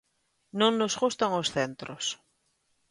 Non nos gustan os centros.